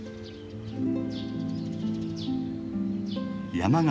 山形